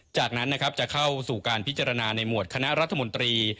จากนั้นนะครับจะเข้าสู่การพิจารณาในหมวดคณะรัฐมนตรี